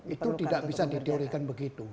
itu tidak bisa diteorikan begitu